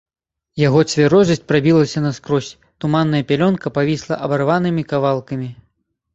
Яго цвярозасць прабілася наскрозь, туманная пялёнка павісла абарванымі кавалкамі.